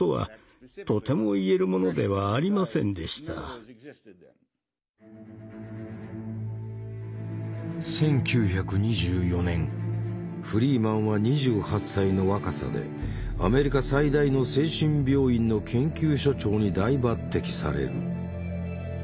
精神医療に詳しいトロント大学の１９２４年フリーマンは２８歳の若さでアメリカ最大の精神病院の研究所長に大抜てきされる。